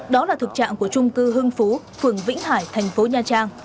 đó là thực trạng của trung cư hưng phú phường vĩnh hải thành phố nha trang